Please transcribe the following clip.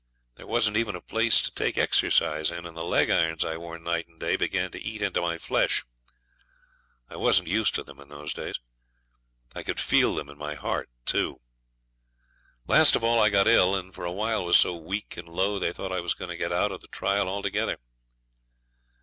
There wasn't even a place to take exercise in, and the leg irons I wore night and day began to eat into my flesh. I wasn't used to them in those days. I could feel them in my heart, too. Last of all I got ill, and for a while was so weak and low they thought I was going to get out of the trial altogether.